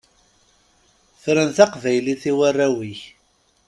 Fren taqbaylit i warraw-ik.